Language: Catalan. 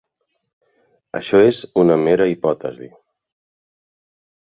Això és una mera hipòtesi.